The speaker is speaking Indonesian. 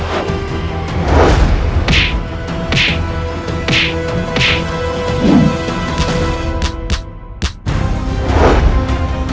aku mau kesana